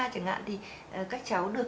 chẳng hạn thì các cháu được